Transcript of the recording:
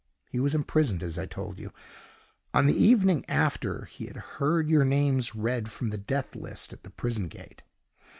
He was imprisoned, as I told you, on the evening after he had heard your names read from the death list at the prison grate.